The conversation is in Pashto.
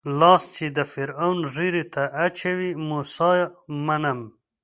لاس چې د فرعون ږيرې ته اچوي موسی منم.